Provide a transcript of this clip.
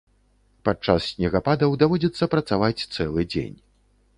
Падчас снегападаў даводзіцца працаваць цэлы дзень.